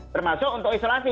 termasuk untuk isolasi